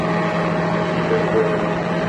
Sobre el poeta.